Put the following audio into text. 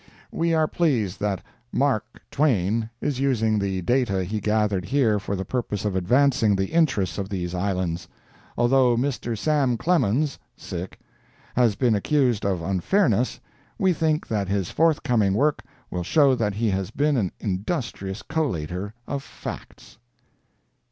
We are pleased that "Mark Twain" is using the data he gathered here for the purpose of advancing the interests of these Islands. Although Mr. Sam Clemens has been accused of unfairness, we think that his forthcoming work will show that he has been an industrious collator of facts.